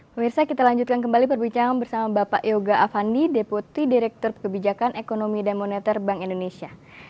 pemirsa kita lanjutkan kembali perbincangan bersama bapak yoga avandi deputi direktur kebijakan ekonomi dan moneter bank indonesia